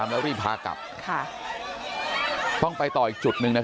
ก็รอดูเยอะไปหมดเลย